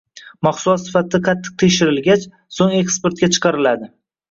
Mahsulot sifati qattiq tekshirilgach, so‘ng eksportga chiqariladi